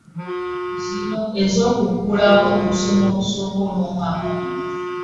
Zino ez'okuggulawo olusoma olusooka olw'omwaka guno.